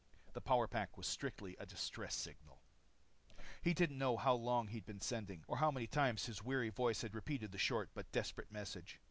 The power pack was strictly a distress signal. He didn't know how long he'd been sending, nor how many times his weary voice had repeated the short but desperate message.